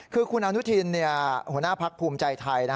คือคุณอนุทินหัวหน้าพักภูมิใจไทย